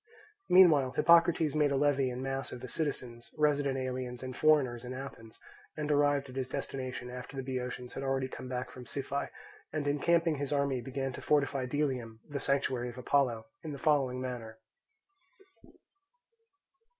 Meanwhile Hippocrates made a levy in mass of the citizens, resident aliens, and foreigners in Athens, and arrived at his destination after the Boeotians had already come back from Siphae, and encamping his army began to fortify Delium, the sanctuary of Apollo, in the following manner.